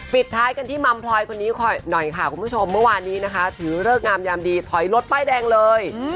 ปิดท้ายกันที่มัมพลอยคนนี้หน่อยค่ะคุณผู้ชมเมื่อวานนี้นะคะถือเลิกงามยามดีถอยรถป้ายแดงเลย